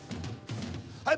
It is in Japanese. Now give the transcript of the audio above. はい